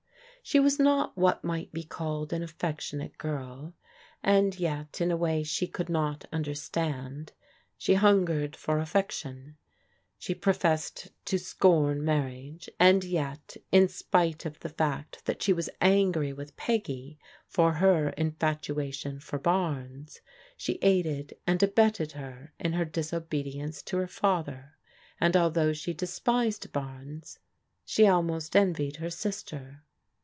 She was not what might be called an affectionate girl, and yet in a way she could not xmderstand, she hungered for affection. She professed to scorn marriage, and yet, in spite of the fact that she was angry with Peggy for her infatuation for Barnes, she aided and abetted her in her disobedience to her father, and although she despised Barnes, she almost envied her sister.